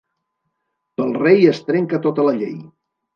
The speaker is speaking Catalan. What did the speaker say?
Pel rei es trenca tota la llei.